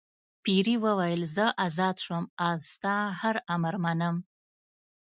پیري وویل زه آزاد شوم او ستا هر امر منم.